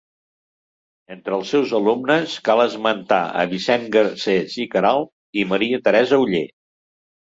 Entre els seus alumnes cal esmentar a Vicent Garcés i Queralt i Maria Teresa Oller.